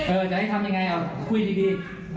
เออจะให้ทำยังไงอ่ะคุยดี